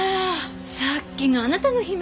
さっきのあなたの悲鳴？